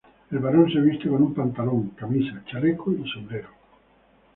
El varón se viste con un pantalón, camisa, chaleco y sombrero.